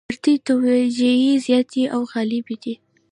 فردي توجیې زیاتې او غالبې دي.